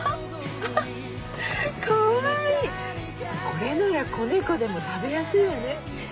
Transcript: これなら子猫でも食べやすいわね。